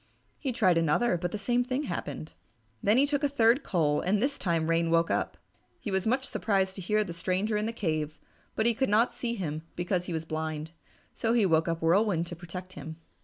He tried another, but the same thing happened. Then he took a third coal, and this time Rain woke up. He was much surprised to hear a stranger in the cave, but he could not see him because he was blind. So he woke up Whirlwind to protect him.